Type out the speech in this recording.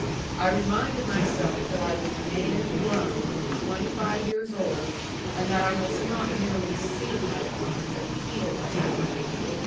I reminded myself that I was a man grown, twenty five years old, and that I must not merely seem like one, but feel like one.